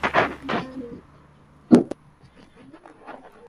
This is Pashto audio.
ایا په راتلونکې کې ټول وینه د لابراتوار څخه تولید شي؟